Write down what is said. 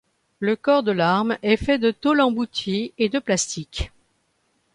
Le corps de l'arme est fait de tôle emboutie et de plastiques.